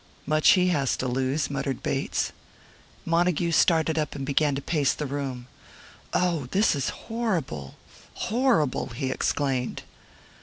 "Much he has to lose," muttered Bates. Montague started up and began to pace the room. "Oh, this is horrible, horrible!" he exclaimed.